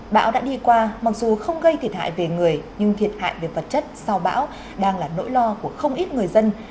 bão đã đi qua mặc dù không gây thiệt hại về người nhưng thiệt hại về vật chất sau bão đang là nỗi lo của không ít người dân